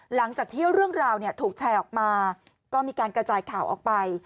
หลังจากที่เรื่องราวถูกแชร์ออกมาก็มีการกระจายข่าวออกไป